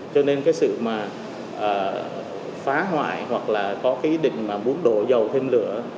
cho nên cái sự mà phá hoại hoặc là có cái ý định mà muốn đổ dầu thêm lửa